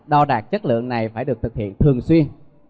đo đạt chất lượng này phải được thực hiện thường xuyên